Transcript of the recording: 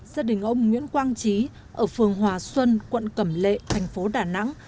gia đình ông nguyễn quang trí ở phường hòa xuân quận cẩm lệ thành phố đà nẵng